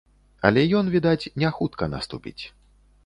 Але ён, відаць, не хутка наступіць.